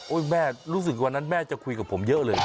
แม่รู้สึกวันนั้นแม่จะคุยกับผมเยอะเลย